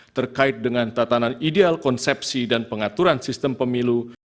terkait dengan tatanan ideal konsepsi dan pengaturan sistem pemilu